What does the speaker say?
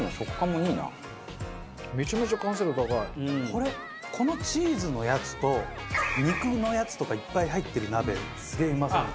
これこのチーズのやつと肉のやつとかいっぱい入ってる鍋すげえうまそう。